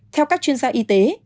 theo các chuyên gia y tế